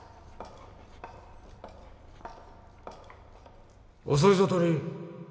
・回想遅いぞ鳥居！